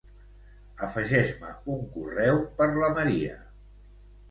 Afegeix-me un correu per la Maria.